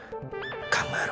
考えろ。